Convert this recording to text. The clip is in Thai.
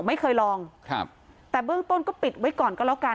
ไม่เคยลองครับแต่เบื้องต้นก็ปิดไว้ก่อนก็แล้วกัน